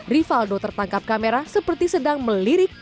rivaldo tertangkap kamera seperti sedang melirik